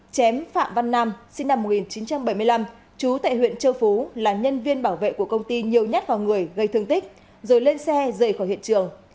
chém phạm văn nam sinh năm một nghìn chín trăm bảy mươi năm chú tại huyện châu phú là nhân viên bảo vệ của công ty nhiều nhát vào người gây thương tích rồi lên xe rời khỏi hiện trường